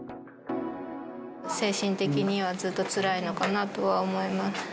精神的にはずっとつらいのかなとは思います。